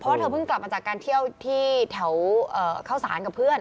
เพราะเธอเห็นเกือบมาจากการเที่ยวแถวข้าวสารกับเพื่อน